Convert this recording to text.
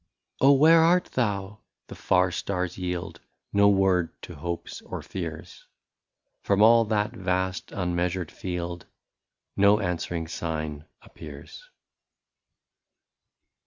Oh ! where art thou ''— the far stars yield No word to hopes or fears ; From all that vast unmeasured field No answering sign appears.